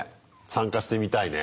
参加してみたいね。